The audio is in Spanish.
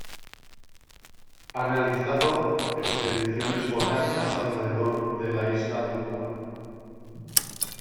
Ha realizado expediciones botánicas alrededor de la isla de Cuba.